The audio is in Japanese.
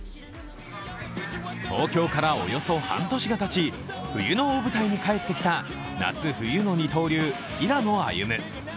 東京からおよそ半年がたち冬の大舞台に帰ってきた夏冬の二刀流・平野歩夢。